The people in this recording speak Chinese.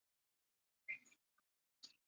这将使太空局拥有稳定的资金汇集。